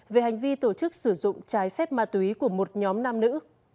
về hành vi tổ chức sử dụng trái phép ma túy của một nhóm nam nữ